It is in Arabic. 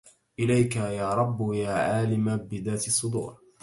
إليك يا رب يا عالم بذات الصدور